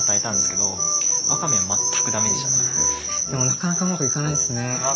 なかなかうまくいかないですね。